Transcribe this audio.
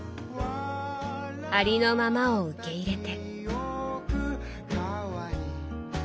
ありのままを受け入れて。